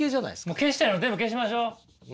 もう消したいの全部消しましょう。